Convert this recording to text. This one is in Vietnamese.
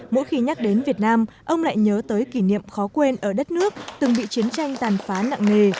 mỗi khi nhắc đến việt nam ông lại nhớ tới kỷ niệm khó quên ở đất nước từng bị chiến tranh tàn phá nặng nề